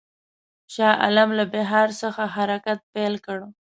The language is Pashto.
شاه عالم له بیهار څخه حرکت پیل کړ.